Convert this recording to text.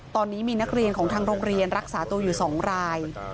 ตอนนี้มีนักเรียนของทางโรงเรียนรักษาตัวอยู่๒ราย